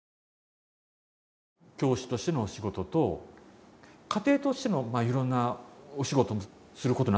教師としてのお仕事と家庭としてのいろんなお仕事することになったわけですよね。